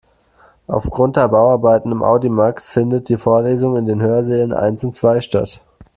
Aufgrund der Bauarbeiten im Audimax findet die Vorlesung in den Hörsälen eins und zwei statt.